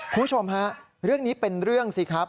คุณผู้ชมฮะเรื่องนี้เป็นเรื่องสิครับ